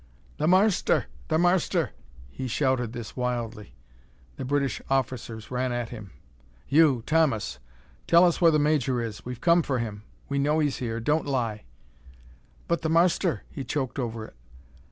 "The marster the marster " He shouted this wildly. The British officers ran at him. "You, Thomas, tell us where the major is. We've come for him; we know he's here! Don't lie!" "But the marster " He choked over it.